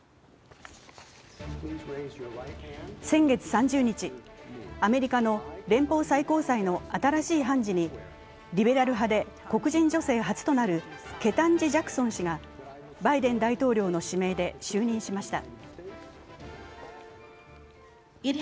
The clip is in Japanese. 先月３０日、アメリカの連邦最高裁の新しい判事にリベラル派で黒人女性初となるケタンジ・ジャクソン氏がバイデン大統領の指名で就任しました。